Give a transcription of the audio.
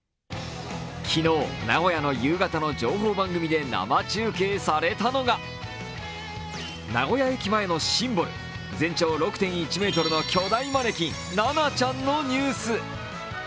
昨日、名古屋の夕方の情報番組で生中継されたのが名古屋駅前のシンボル、全長６．１ｍの巨大マネキンナナちゃんのニュース。